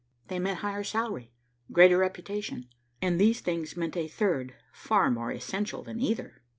They meant higher salary, greater reputation, and these things meant a third, far more essential than either.